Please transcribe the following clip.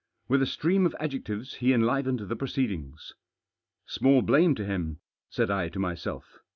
With a stream of adjectives he enlivened the proceedings. "Small blame to him," said I to myself.